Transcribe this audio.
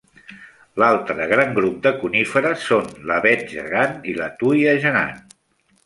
L'altre gran grup de coníferes són l'avet gegant i la tuia gegant.